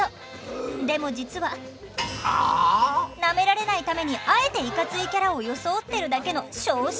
でも実はなめられないためにあえていかついキャラを装ってるだけの小心者。